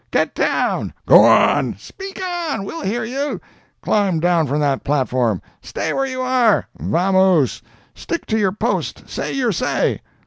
"Get down! Go on! Speak on—we'll hear you! Climb down from that platform! Stay where you are—Vamose! Stick to your post—say your say!"